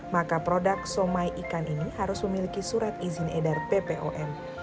maka produk somai ikan ini harus memiliki surat izin edar ppom